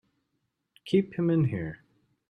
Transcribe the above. Keep him in here!